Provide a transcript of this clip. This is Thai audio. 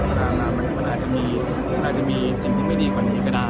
มันอาจจะมีมันอาจจะมีสิ่งที่ไม่ดีกว่านี้ก็ได้